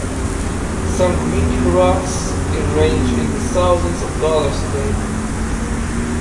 Some grinding rocks can range in the thousands of dollars today.